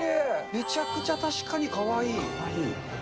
むちゃくちゃ確かにかわいい。